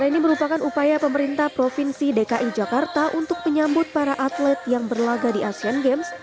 ini merupakan upaya pemerintah provinsi dki jakarta untuk menyambut para atlet yang berlaga di asian games